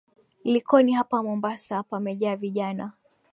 Likoni hapa Mombasa pamejaa vijana.